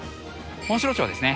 モンシロチョウですね。